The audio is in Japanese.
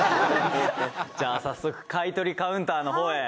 「じゃあ早速買取カウンターの方へ」